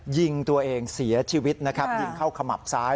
ยิงตัวเองเสียชีวิตนะครับยิงเข้าขมับซ้าย